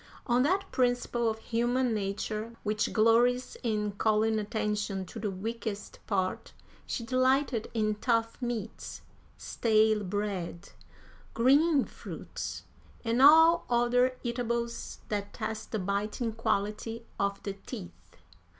On that principle of human nature which glories in calling attention to the weakest part, she delighted in tough meats, stale bread, green fruits, and all other eatables that test the biting quality of the teeth.